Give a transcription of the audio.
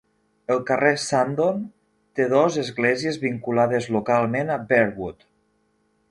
el carrer Sandon té dos esglésies vinculades localment a Bearwood.